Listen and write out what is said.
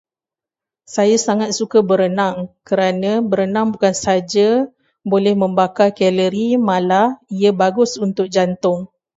Saya sangat suka berenang kerana berenang bukan saja boleh membakar kalori, malah ia bagus untuk jantung.